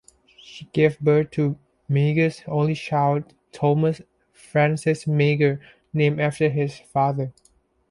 She gave birth to Meagher's only child: Thomas Francis Meagher, named after his father.